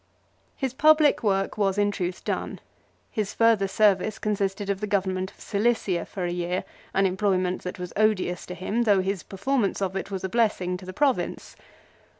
His public work was in truth done. His further service consisted of the government of Cilicia for a year, an employment that was odious to him, though his performance of it was a blessing to the province.